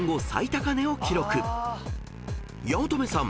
［八乙女さん